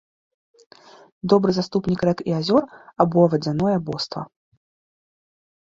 Добры заступнік рэк і азёр або вадзяное боства.